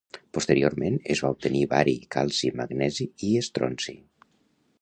Posteriorment, es va obtenir bari, calci, magnesi i estronci.